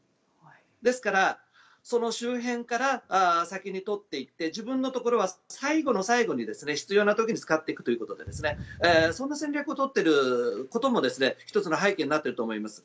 ですからその周辺から先に取っていって自分のところは最後の最後に必要な時に使っていくということでそんな戦略を取っていることも１つの背景になっていると思います。